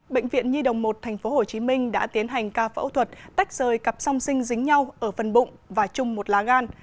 bệnh viện nhi đồng một tp hcm đã tiến hành ca phẫu thuật tách rời cặp song sinh dính nhau ở phần bụng và chung một lá gan